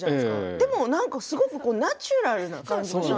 でも、なんかすごくナチュラルな感じ。